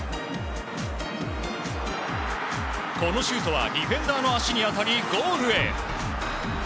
このシュートはディフェンダーの足に当たりゴールへ。